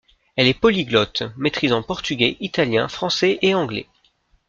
Elle est polyglotte, maîtrisant portugais, italien, français et anglais.